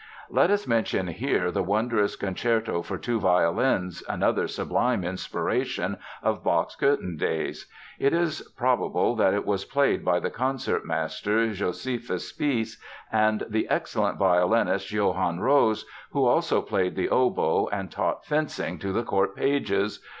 Let us mention here the wondrous concerto for two violins, another sublime inspiration of Bach's Cöthen days. It is probable that it was played by the concertmaster, Josephus Spiess, and the excellent violinist, Johann Rose (who also played the oboe and taught fencing to the court pages!)